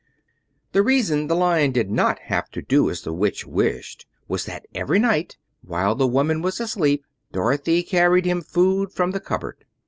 The reason the Lion did not have to do as the Witch wished was that every night, while the woman was asleep, Dorothy carried him food from the cupboard.